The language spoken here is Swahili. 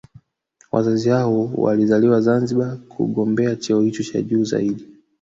Wazazi wao walizaliwa Zambia kugombea cheo hicho cha juu zaidi